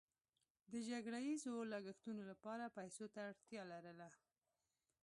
د جګړه ییزو لګښتونو لپاره پیسو ته اړتیا لرله.